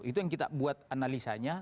itu yang kita buat analisanya